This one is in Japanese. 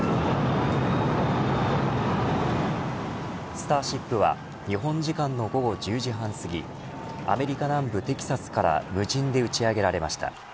スターシップは日本時間の午後１０時半すぎアメリカ南部テキサスから無人で打ち上げられました。